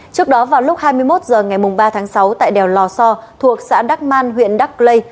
trước đó vào lúc hai mươi một h ngày ba tháng sáu tại đèo lò so thuộc xã đắc man huyện đắc lây